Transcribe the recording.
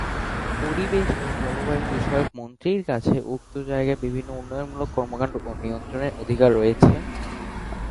পরিবেশ ও জলবায়ু বিষয়ক মন্ত্রীর কাছে উক্ত জায়গায় বিভিন্ন উন্নয়নমূলক কর্মকাণ্ড ও নিয়ন্ত্রণের অধিকার রয়েছে।